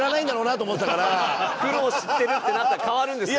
苦労を知ってるってなったら変わるんですか？